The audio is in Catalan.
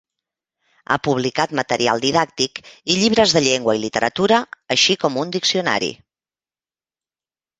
Ha publicat material didàctic i llibres de llengua i literatura, així com un diccionari.